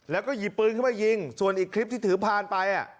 แล้วก็หยิบปืนขึ้นมายิงส่วนอีกคลิปที่ถือพานไป